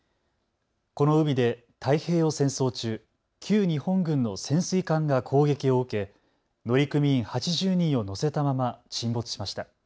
この海で太平洋戦争中、旧日本軍の潜水艦が攻撃を受け乗組員８０人を乗せたまま沈没しました。